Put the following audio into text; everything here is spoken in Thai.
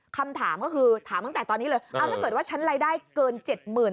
คำถามก็คือถามตั้งแต่ตอนนี้เลยเอาถ้าเกิดว่าฉันรายได้เกิน๗๐๐๐